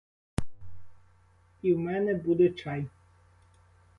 І в мене буде чай.